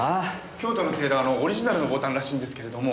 京都のテーラーのオリジナルのボタンらしいんですけれども。